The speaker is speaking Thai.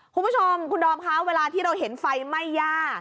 คุณผู้ชมคุณดอมคะเวลาที่เราเห็นไฟไหม้ย่า